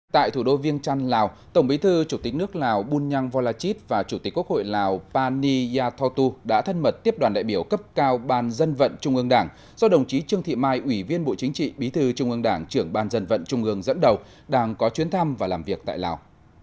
tại thủ đô viêng trăn lào tổng bí thư chủ tịch nước lào bunyang volachit và chủ tịch quốc hội lào pani yathotu đã thân mật tiếp đoàn đại biểu cấp cao ban dân vận trung ương đảng do đồng chí trương thị mai ủy viên bộ chính trị bí thư trung ương đảng trưởng ban dân vận trung ương dẫn đầu đang có chuyến thăm và làm việc tại lào